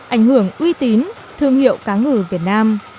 ảnh hưởng uy tín thương hiệu cá ngừ việt nam